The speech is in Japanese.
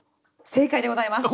正解でございます！